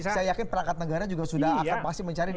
saya yakin perangkat negara juga sudah akan pasti mencari